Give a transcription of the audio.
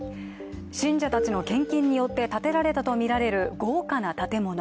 信者たちの献金によって建てられたとみられる豪華な建物。